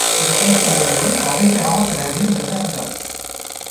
Elle est ainsi nommée en référence à la ville de Verdun.